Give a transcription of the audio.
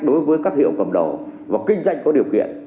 đối với các hiệu cầm đầu và kinh doanh có điều kiện